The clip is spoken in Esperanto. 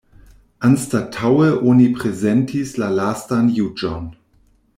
Anstataŭe oni prezentis la Lastan Juĝon.